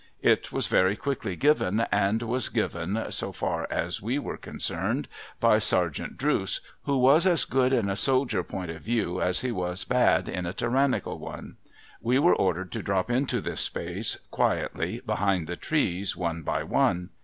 It was very quickly given, and was given (so far CAPTAIN CARTON 155 as we were concerned) by Sergeant Drooce, who was as good in a soldier point of view, as he was bad in a tyrannical one. We were ordered to drop into this space, quietly, behind the trees, one by one.